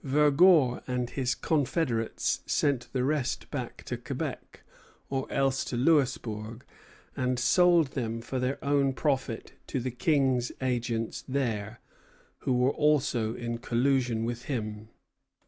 Vergor and his confederates sent the rest back to Quebec, or else to Louisbourg, and sold them for their own profit to the King's agents there, who were also in collusion with him.